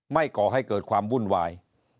ก่อให้เกิดความวุ่นวาย